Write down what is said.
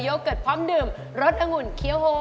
เกิร์ตพร้อมดื่มรสองุ่นเคี้ยวโฮ